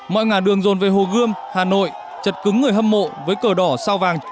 mọi ngả đường rồn về hồ gươm hà nội chật cứng người hâm mộ với cờ đỏ sao vàng